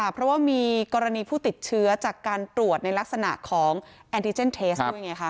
เพราะว่ามีกรณีผู้ติดเชื้อจากการตรวจในลักษณะของแอนติเจนเทสด้วยไงคะ